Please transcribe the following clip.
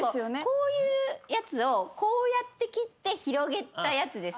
こういうやつをこうやって切って広げたやつです。